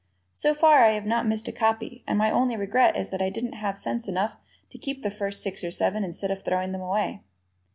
So far I have not missed a copy, and my only regret is that I didn't have sense enough to keep the first six or seven instead of throwing them away.